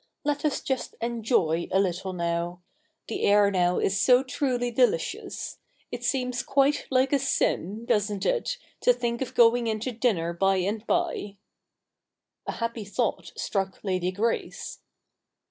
Let us just ejijoy a little now. The air now is so truly delicious. It seems quite like a sin, doesn't it, to think of going in to dinner by and by.' A happy thought struck Lady Grace.